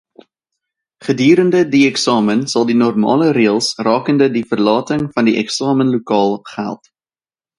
Gedurende die eksamen sal die normale reëls rakende die verlating van die eksamenlokaal geld.